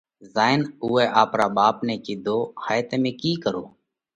زائين اُوئہ آپرا ٻاپ نئہ ڪِيڌو: هائي تمي ڪِي ڪروه؟